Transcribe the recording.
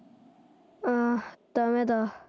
ああダメだ。